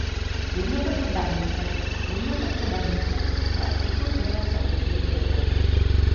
Позната продавницата која Епл прва ќе ја отвори во Европа